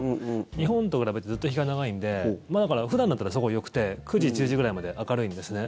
日本と比べてずっと日が長いんでだから普段だったらすごいよくて９時、１０時ぐらいまで明るいんですね。